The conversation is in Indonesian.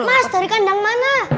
mas dari kandang mana